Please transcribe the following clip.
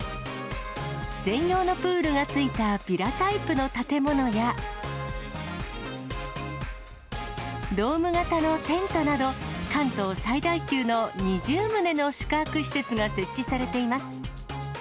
専用のプールが付いたヴィラタイプの建物や、ドーム型のテントなど、関東最大級の２０棟の宿泊施設が設置されています。